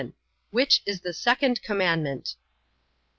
Which is the second commandment?